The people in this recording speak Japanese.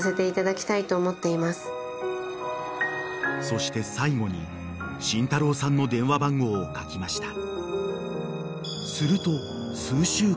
［そして最後に慎太郎さんの電話番号を書きました］